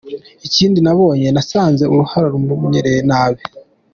"Ikindi nabonye, nasanze uruhara rumumereye nabi.